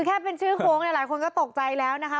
แค่เป็นชื่อโค้งเนี่ยหลายคนก็ตกใจแล้วนะคะ